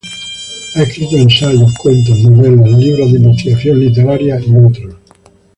Ha escrito ensayos, cuentos, novelas, libros de investigación literaria y otros.